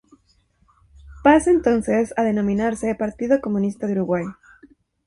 Pasa entonces a denominarse Partido Comunista del Uruguay.